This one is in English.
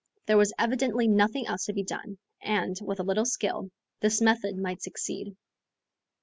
There was evidently nothing else to be done, and, with a little skill, this method might succeed.